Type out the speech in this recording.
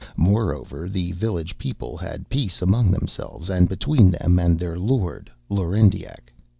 Moreover, the village people had peace among themselves and between them and their lord, Lorendiac.